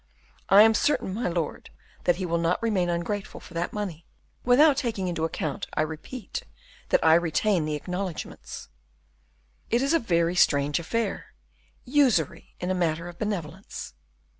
I am certain, my lord, that he will not remain ungrateful for that money, without taking into account, I repeat, that I retain the acknowledgements." "It is a strange affair! usury in a matter of benevolence."